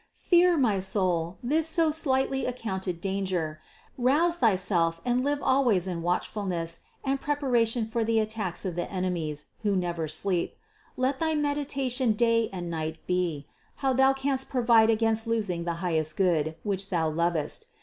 Fear, my soul, this so slightly accounted danger; rouse thyself and live always in watchfulness and prepara tion for the attacks of the enemies, who never sleep. Let thy meditation day and night be, how thou canst provide against losing the highest Good, which thou lovest.